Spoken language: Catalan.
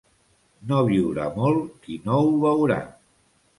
No viurà molt qui no ho veurà.